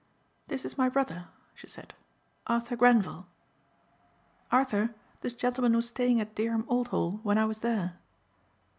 "This is my brother," she said, "Arthur Grenvil. Arthur this gentleman was staying at Dereham Old Hall when I was there.